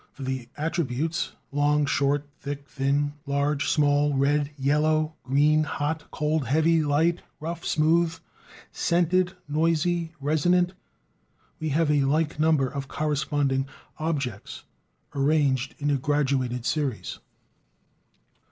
For the attributes long, short, thick, thin, large, small, red, yellow, green, hot, cold, heavy, light, rough, smooth, scented, noisy, resonant, we have a like number of corresponding "objects" arranged in graduated series.